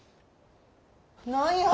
何や？